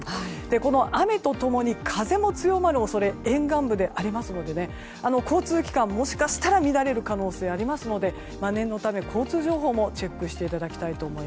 この雨と共に風も強まる恐れが沿岸部でありますので交通機関がもしかしたら乱れる可能性ありますので念のため、交通情報もチェックしてください。